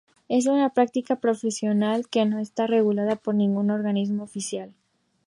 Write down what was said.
Es una práctica profesional que no está regulada por ningún organismo oficial.